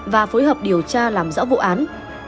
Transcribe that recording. và phối hợp điều tra làm rõ vụ án